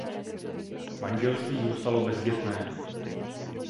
Manželství zůstalo bezdětné.